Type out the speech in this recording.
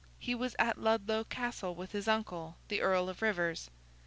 He was at Ludlow Castle with his uncle, the Earl of Rivers.